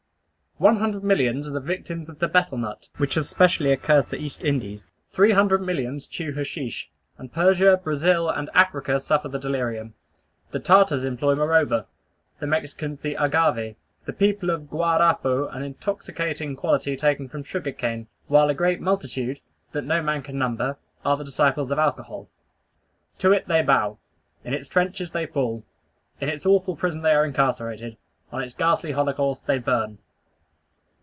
One hundred millions are the victims of the betel nut, which has specially accursed the East Indies. Three hundred millions chew hashish, and Persia, Brazil, and Africa suffer the delirium. The Tartars employ murowa; the Mexicans the agave; the people of Guarapo an intoxicating quality taken from sugar cane; while a great multitude, that no man can number, are the disciples of alcohol. To it they bow. In its trenches they fall. In its awful prison they are incarcerated. On its ghastly holocaust they burn.